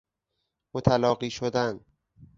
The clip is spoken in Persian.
متلاقی شدن